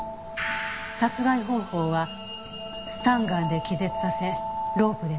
殺害方法はスタンガンで気絶させロープで絞殺。